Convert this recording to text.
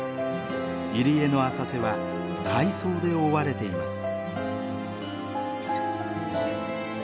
入り江の浅瀬は海藻で覆われています。